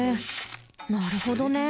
なるほどね。